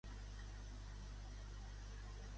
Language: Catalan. Hi havia esperança que ho aconseguirien, però?